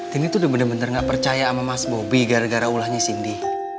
tini tuh bener bener nggak percaya sama mas bobi gara gara ulahnya cindy